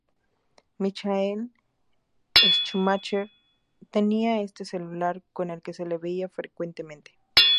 Michael Schumacher tenía este celular, con el que se le veía frecuentemente.